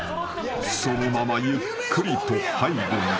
［そのままゆっくりと背後に］